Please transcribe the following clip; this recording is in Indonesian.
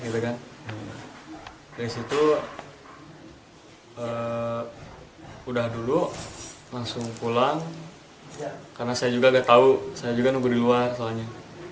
dari situ udah dulu langsung pulang karena saya juga gak tahu saya juga nunggu di luar soalnya